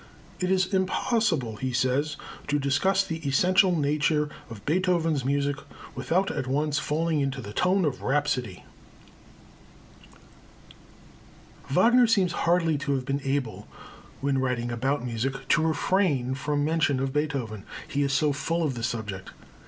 "It is impossible," he says, "to discuss the essential nature of Beethoven's music without at once falling into the tone of rhapsody." Wagner seems hardly to have been able, when writing about music, to refrain from mention of Beethoven, he is so full of the subject.